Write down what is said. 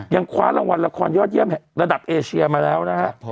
ยังคว้ารางวัลละครยอดเยี่ยมแห่งระดับเอเชียมาแล้วนะฮะ